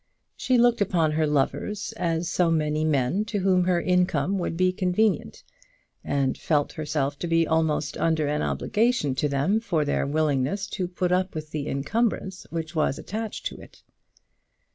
She looked upon her lovers as so many men to whom her income would be convenient, and felt herself to be almost under an obligation to them for their willingness to put up with the incumbrance which was attached to it.